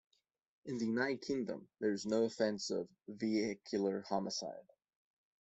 In the United Kingdom, there is no offense of "vehicular homicide".